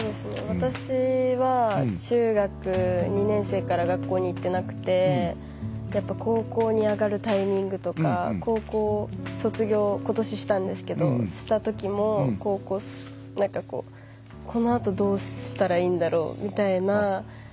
私は中学２年生から学校に行ってなくてやっぱ高校に上がるタイミングとか高校を卒業今年したんですけどした時も何かこのあとどうしたらいいんだろうみたいな。